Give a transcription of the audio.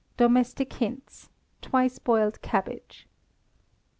Domestic Hints (Twice Boiled Cabbage).